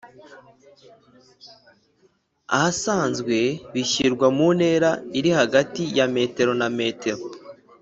ahasanzwe:bishyirwa mu ntera iri hagati ya m na m